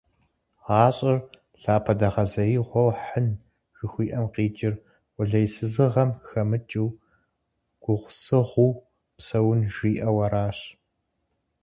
«ГъащӀэр лъапэдэгъэзеигъуэу хьын» жыхуиӏэм къикӏыр къулейсызыгъэм хэмыкӀыу, гугъусыгъуу псэун, жиӏэу аращ.